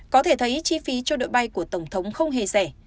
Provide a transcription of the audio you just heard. có thể thấy chi phí cho đội bay của tổng thống không hề rẻ